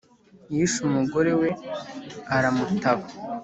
Yishe umugore we aramutaba